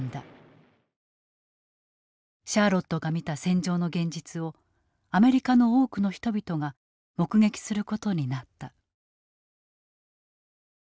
シャーロッドが見た戦場の現実をアメリカの多くの人々が目撃することになった。